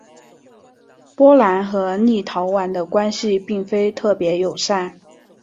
波兰和立陶宛的关系并非特别友善。